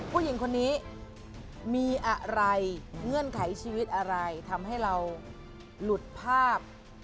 ผู้หญิงคนนี้มีอะไรเงื่อนไขชีวิตอะไรทำให้เราหลุดภาพ